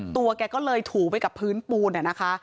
แกก็เลยถูไปกับพื้นปูนนะคะ